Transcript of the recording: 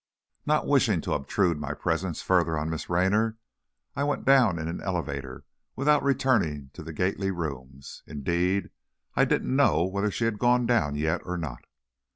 Not wishing to obtrude my presence further on Miss Raynor, I went down in an elevator without returning to the Gately rooms. Indeed, I didn't know whether she had gone down yet or not.